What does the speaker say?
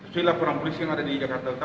silahkan laporan polisi yang ada di jakarta